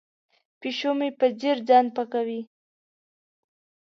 پیشو مې په ځیر ځان پاکوي.